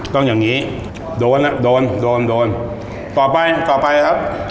ต้องอย่างงี้โดนโดนโดนโดนต่อไปต่อไปครับ